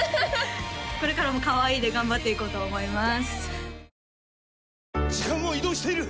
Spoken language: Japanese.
これからもかわいいで頑張っていこうと思います